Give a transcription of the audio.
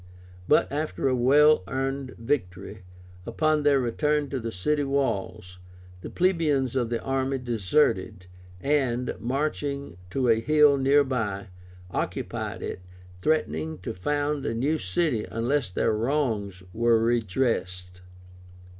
But after a well earned victory, upon their return to the city walls, the plebeians of the army deserted, and, marching to a hill near by, occupied it, threatening to found a new city unless their wrongs were redressed.